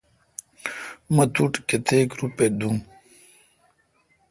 مہ توٹھ کیتیک روپہ دوم۔